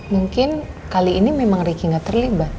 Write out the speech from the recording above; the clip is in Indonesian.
mungkin kali ini memang ricky gak terlibat